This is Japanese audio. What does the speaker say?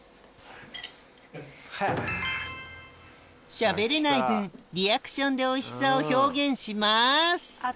しゃべれない分リアクションでおいしさを表現します